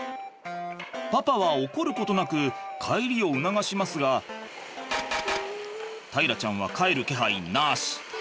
パパは怒ることなく帰りを促しますが大樂ちゃんは帰る気配なし。